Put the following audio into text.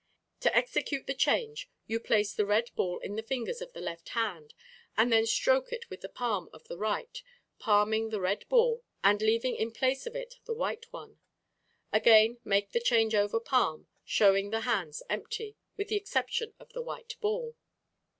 To execute the change you place the red ball in the fingers of the left hand and then stroke it with the palm of the right, palming the red ball and leaving in place of it the white one. Again make the "Change over Palm," showing the hands empty, with the exception of the white ball.